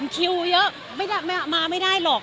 คิวเยอะมาไม่ได้หรอก